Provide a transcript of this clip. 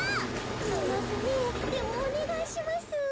てれますねえでもおねがいします。